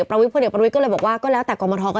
อ่าอ่าอ่าอ่าอ่าอ่าอ่า